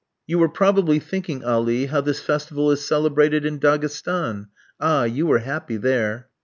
"You were probably thinking, Ali, how this festival is celebrated in Daghestan. Ah, you were happy there!"